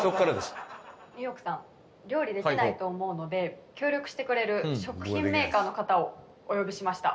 ニューヨークさん料理できないと思うので協力してくれる食品メーカーの方をお呼びしました。